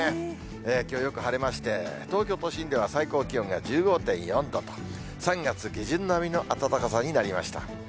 きょう、よく晴れまして、東京都心では最高気温が１５．４度と、３月下旬並みの暖かさになりました。